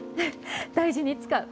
大事に使う。